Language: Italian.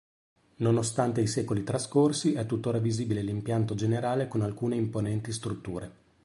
Nonostante i secoli trascorsi, è tutt’ora visibile l’impianto generale con alcune imponenti strutture.